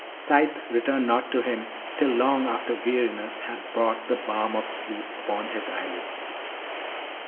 Sight returned not to him till long after weariness had brought the balm of sleep upon his eyelids.